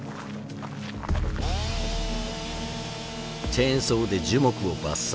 チェーンソーで樹木を伐採。